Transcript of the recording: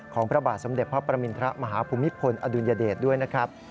พระบาทสมเด็จพระประมินทรมาฮภูมิพลอดุลยเดชด้วยนะครับ